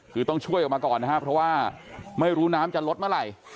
คือต้องช่วยออกมาก่อนนะครับเพราะว่าไม่รู้น้ำจะลดเมื่อไหร่